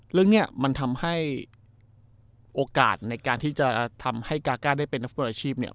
เรื่องนี้มันทำให้โอกาสในการที่จะทำให้กาก้าได้เป็นนักฟุตบอลอาชีพเนี่ย